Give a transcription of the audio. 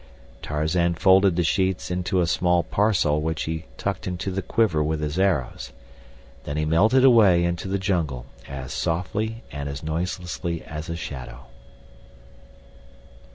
Tarzan folded the sheets into a small parcel which he tucked into the quiver with his arrows. Then he melted away into the jungle as softly and as noiselessly as a shadow.